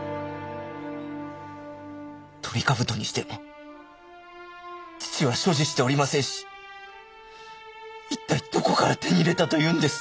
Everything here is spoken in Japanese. トリカブトにしても父は所持しておりませんし一体どこから手に入れたというんです！？